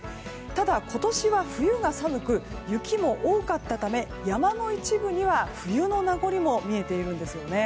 ただ今年は冬が寒く、雪も多かったため山の一部には冬の名残も見えているんです。